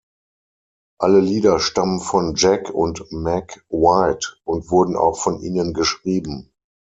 Alle Lieder stammen von Jack und Meg White und wurden auch von ihnen geschrieben.